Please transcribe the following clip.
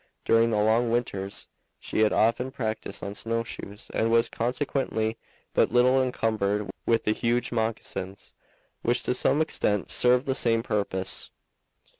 During the long winters she had often practiced on snow shoes, and was consequently but little encumbered with the huge moccasins, which to some extent served the same purpose.